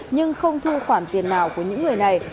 nhưng không thu khoản tiền nào của những người này